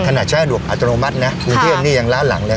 ฉะดวกอัตโนมัตินะกรุงเทพนี่ยังล้าหลังเลย